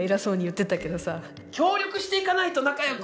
協力していかないと仲よく。